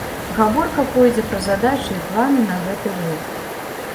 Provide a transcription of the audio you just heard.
Гаворка пойдзе пра задачы і планы на гэты год.